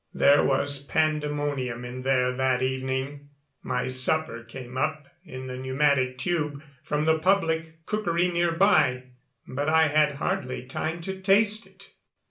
There was pandemonium in there that evening. My supper came up in the pneumatic tube from the public cookery nearby, but I had hardly time to taste it.